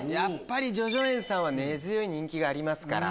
叙々苑さんは根強い人気がありますから。